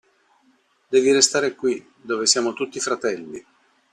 Devi restare qui, dove tutti siamo fratelli.